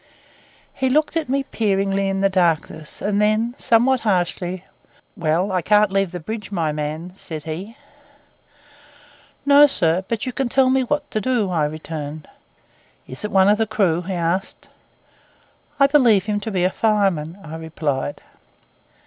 He looked at me peeringly in the darkness; and then, somewhat harshly, 'Well, I can't leave the bridge, my man,' said he. 'No, sir; but you can tell me what to do,' I returned. 'Is it one of the crew?' he asked. 'I believe him to be a fireman,' I replied.